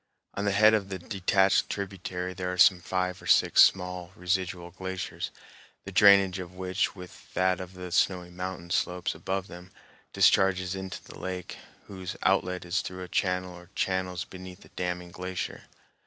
On the head of the detached tributary there are some five or six small residual glaciers, the drainage of which, with that of the snowy mountain slopes above them, discharges into the lake, whose outlet is through a channel or channels beneath the damming glacier.